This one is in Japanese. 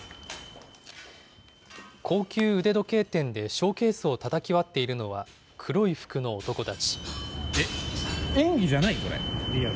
高級腕時計店でショーケースをたたき割っているのは、黒い服の男たち。